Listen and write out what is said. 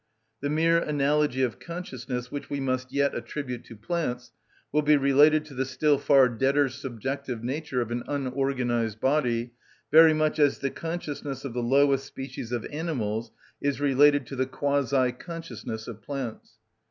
The mere analogy of consciousness which we must yet attribute to plants will be related to the still far deader subjective nature of an unorganised body, very much as the consciousness of the lowest species of animals is related to the quasi consciousness of plants.